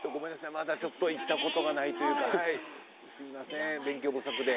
まだちょっと行ったことがないというかすみません、勉強不足で。